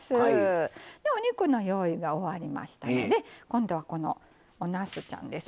お肉の用意が終わりましたので今度はおなすちゃんですね。